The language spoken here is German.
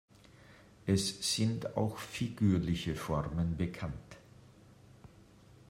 Es sind auch figürliche Formen bekannt.